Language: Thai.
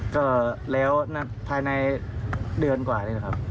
ก็แล้วภายในเดือนกว่านี้นะครับ